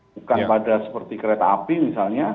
bukan pada seperti kereta api misalnya